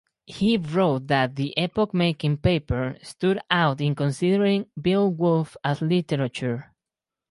He wrote that the "epoch-making paper" stood out in considering "Beowulf" as literature.